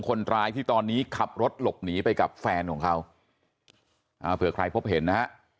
คนร้ายที่ตอนนี้ขับรถหลบหนีไปกับแฟนของเขาอ่าเผื่อใครพบเห็นนะฮะ